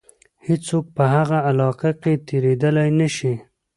هیڅوک په هغه علاقه کې تېرېدلای نه شي.